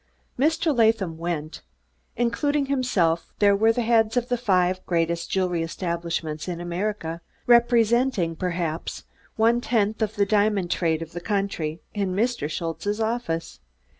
Mr. Latham went. Including himself, there were the heads of the five greatest jewel establishments in America, representing, perhaps, one tenth of the diamond trade of the country, in Mr. Schultze's office.